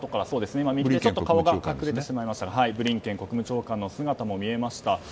顔が隠れてしまいましたがブリンケン国務長官の姿も見られました。